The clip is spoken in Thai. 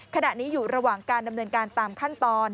ขณะนี้อยู่ระหว่างการดำเนินการตามขั้นตอน